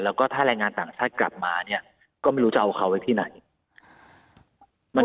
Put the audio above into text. แล้วก็ถ้าแรงงานต่างชาติกลับมาเนี่ยก็ไม่รู้จะเอาเขาไว้ที่ไหน